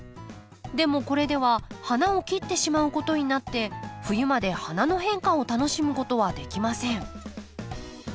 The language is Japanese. でもこれでは花を切ってしまうことになって冬まで花の変化を楽しむことはできません。